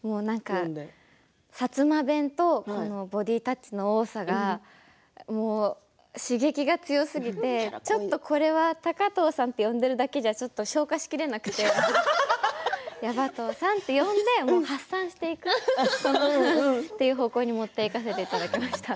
薩摩弁とボディータッチの多さが刺激が強すぎて高藤さんと呼んだだけじゃ消化しきれなくてヤバ藤さんと呼んで発散していく方向に持っていかせていただきました。